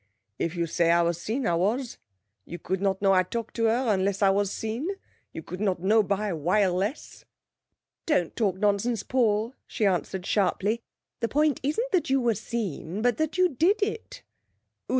'If you say I was seen, I was. You could not know I talk to her unless I was seen. You could not know by wireless.' 'Don't talk nonsense, Paul,' she answered sharply. 'The point isn't that you were seen, but that you did it.'